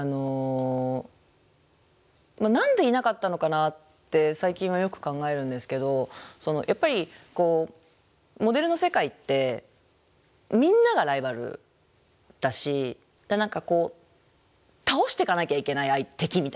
何でいなかったのかなって最近はよく考えるんですけどやっぱりこうモデルの世界ってみんながライバルだし何かこう倒していかなきゃいけない敵みたいな。